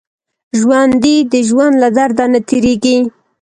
ژوندي د ژوند له درد نه تېرېږي